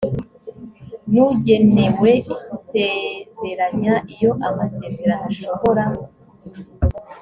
n ugenewe isezeranya iyo amasezerano ashobora